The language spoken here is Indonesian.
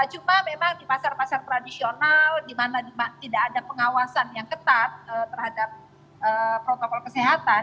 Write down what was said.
cuma memang di pasar pasar tradisional di mana tidak ada pengawasan yang ketat terhadap protokol kesehatan